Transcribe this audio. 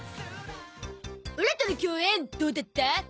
オラとの共演どうだった？